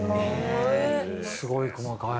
すごい細かい。